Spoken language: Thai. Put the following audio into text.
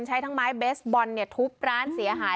ใช้ทั้งไม้เบสบอลทุบร้านเสียหาย